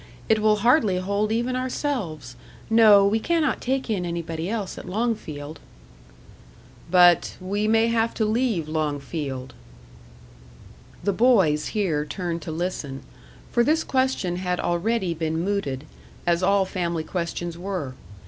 It will hardly hold even ourselves. No, we cannot take in anybody else at Longfield." "But we may have to leave Longfield." The boys here turned to listen; for this question had already been mooted, as all family questions were.